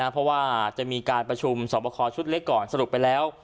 เพราะว่าจะมีการประชุมสอบคอชุดเล็กก่อนสรุปไปแล้ว